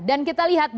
dan kita lihat